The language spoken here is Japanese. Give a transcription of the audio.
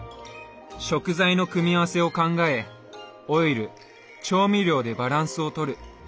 食材の組み合わせを考えオイル調味料でバランスを取る。